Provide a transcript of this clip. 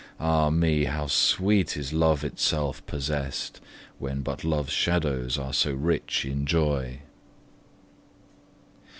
Ah me! how sweet is love itself possessed, When but love's shadows are so rich in joy!